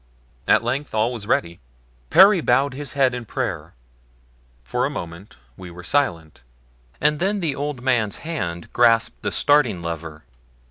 At length all was ready. Perry bowed his head in prayer. For a moment we were silent, and then the old man's hand grasped the starting lever.